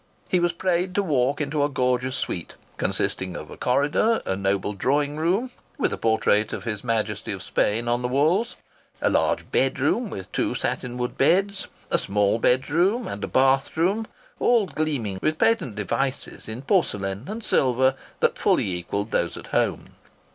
He was prayed to walk into a gorgeous suite, consisting of a corridor, a noble drawing room (with portrait of His Majesty of Spain on the walls), a large bedroom with two satin wood beds, a small bedroom and a bathroom, all gleaming with patent devices in porcelain and silver that fully equalled those at home.